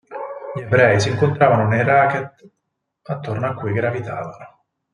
Gli ebrei, si incontravano nei racket attorno a cui gravitavano.